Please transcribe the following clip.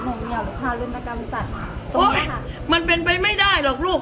หน่องเงียวรุฆาณรุนตรักรบิษัทโอ้ยมันเป็นไปไม่ได้หรอกลูก